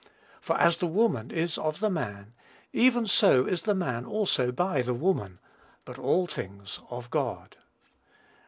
For as the woman is of the man, even so is the man also by the woman; but all things of God."